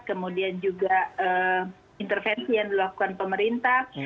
kemudian juga intervensi yang dilakukan pemerintah